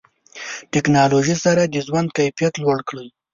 ټکنالوژي سره د ژوند کیفیت لوړ کړئ.